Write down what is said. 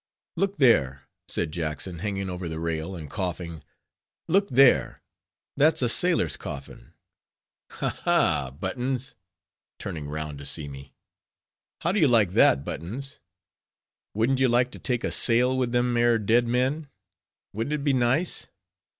"Look there," said Jackson, hanging over the rail and coughing—"look there; that's a sailor's coffin. Ha! ha! Buttons," turning round to me—"how do you like that, Buttons? Wouldn't you like to take a sail with them 'ere dead men? Wouldn't it be nice?"